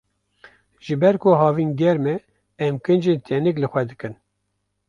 Ji ber ku havîn germ e, em kincên tenik li xwe dikin.